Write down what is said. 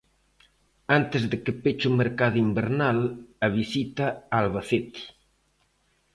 Antes de que peche o mercado invernal, a visita a Albacete.